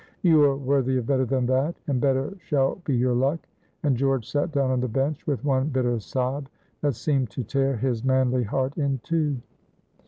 "You are worthy of better than that, and better shall be your luck;" and George sat down on the bench with one bitter sob that seemed to tear his manly heart in two.